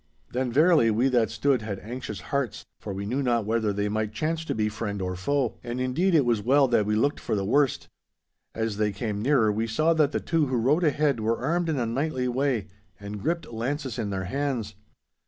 Then verily we that stood had anxious hearts, for we knew not whether they might chance to be friend or foe, and, indeed, it was well that we looked for the worst. As they came nearer we saw that the two who rode ahead were armed in a knightly way, and gripped lances in their hands.